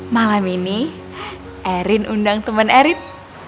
malam ini erin undang teman erip